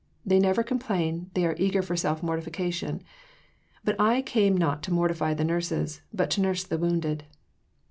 They never complain, they are eager for self mortification. But I came not to mortify the nurses, but to nurse the wounded."